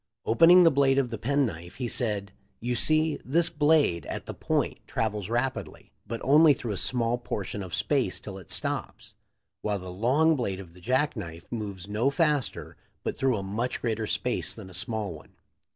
Opening the blade of the pen knife he said: "You see, this blade at the point travels rapidly, but only through a small portion of space till it stops; while the long blade of the jack knife moves no faster but through a much greater space than the small one.